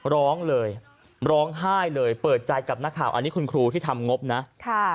ร้องเลยร้องไห้เลยเปิดใจกับนักข่าวอันนี้คุณครูที่ทำงบนะค่ะ